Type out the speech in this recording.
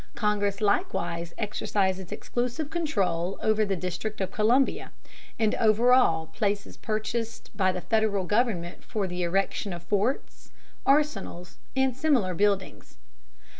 Congress likewise exercises exclusive control over the District of Columbia, and over all places purchased by the Federal government for the erection of forts, arsenals, and similar buildings.